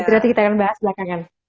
nanti kita akan bahas belakangan